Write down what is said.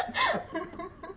フフフッ。